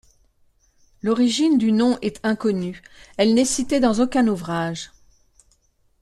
L'origine du nom est inconnue, elle n'est citée dans aucun ouvrage.